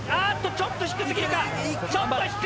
ちょっと低すぎるか？